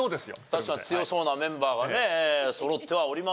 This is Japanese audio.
確かに強そうなメンバーがねそろってはおりますが。